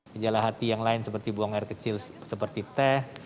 gejala hati yang lain seperti buang air kecil seperti teh